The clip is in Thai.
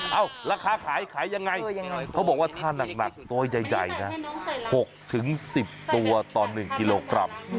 ราคาขายขายยังไงเขาบอกว่าถ้านักตัวใหญ่นะ๖๑๐ตัวต่อ๑กิโลกรัม